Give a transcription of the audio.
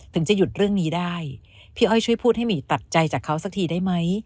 จะหยุดเรื่องนี้ได้พี่อ้อยช่วยพูดให้หมีตัดใจจากเขาสักทีได้ไหม